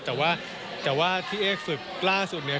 แต่ว่าที่เอศฝึกล่าสุดเนี่ย